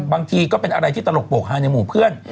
บางทีก็เป็นอะไรที่ตลกโปรกฮาในหมู่เพื่อน